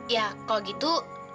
ya kalau gitu